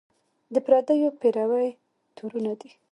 د پردیو پیروۍ تورونه